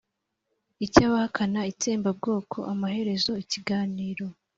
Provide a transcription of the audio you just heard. icy'abahakana itsembabwoko! amaherezo, ikiganiro